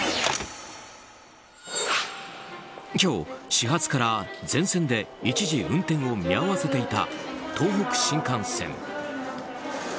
今日、始発から全線で一時運転を見合わせていた東北新幹線。